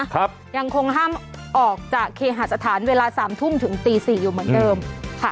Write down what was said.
ครับยังคงห้ามออกจากเคหาสถานเวลาสามทุ่มถึงตีสี่อยู่เหมือนเดิมค่ะ